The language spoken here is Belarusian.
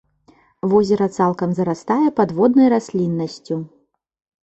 Возера цалкам зарастае падводнай расліннасцю.